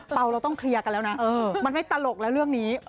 เราต้องเคลียร์กันแล้วนะมันไม่ตลกแล้วเรื่องนี้